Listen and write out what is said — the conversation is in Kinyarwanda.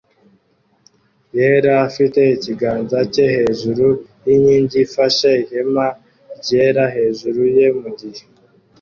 yera afite ikiganza cye hejuru yinkingi ifashe ihema ryera hejuru ye mugihe